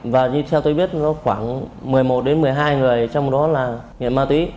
và như theo tôi biết khoảng một mươi một đến một mươi hai người trong đó là nghiện ma túy